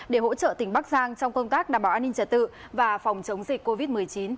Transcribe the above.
để hỗ trợ tỉnh bắc giang trong công tác đảm bảo an ninh trật tự và phòng chống dịch covid một mươi chín